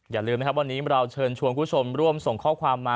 อย่าลืมนะครับวันนี้เราเชิญชวนคุณผู้ชมร่วมส่งข้อความมา